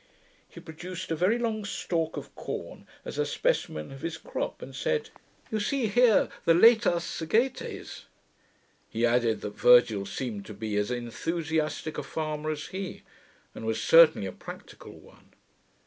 He produced a very long stalk of corn, as a specimen of his crop, and said, 'You see here the loetas segetes.' He added, that Virgil seemed to be as enthusiastick a farmer as he, and was certainly a practical one.